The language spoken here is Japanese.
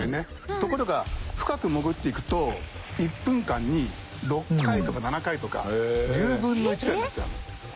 ところが深く潜っていくと１分間に６回とか７回とか１０分の１ぐらいになっちゃうの。